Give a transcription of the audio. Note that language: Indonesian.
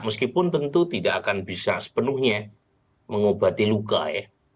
meskipun tentu tidak akan bisa sepenuhnya mengobati luka ya